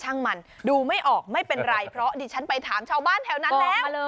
ช่างมันดูไม่ออกไม่เป็นไรเพราะดิฉันไปถามชาวบ้านแถวนั้นแล้ว